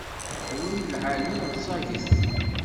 Ddwa n lεali rẓaget.